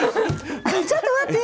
ちょっと待って。